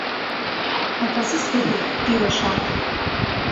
Аказы сбыҳәоит, ди лашара.